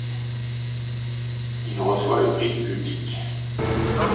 Il reçoit le prix du public.